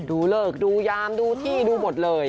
ดูเลิกดูยามดูที่ดูหมดเลย